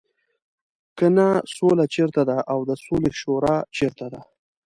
کنه سوله چېرته ده او د سولې شورا چېرته ده.